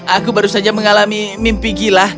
aku baru saja mengalami mimpi gila